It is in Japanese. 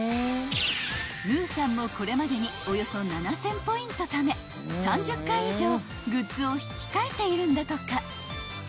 ［ｍｕｕさんもこれまでにおよそ７，０００ポイントため３０回以上グッズを引き換えているんだとか］